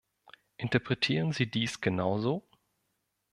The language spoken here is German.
Interpretieren Sie dies genauso?